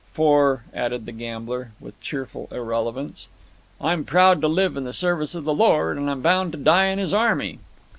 For," added the gambler, with cheerful irrelevance, "'I'm proud to live in the service of the Lord, And I'm bound to die in His army.'"